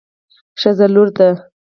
ښځه لور ده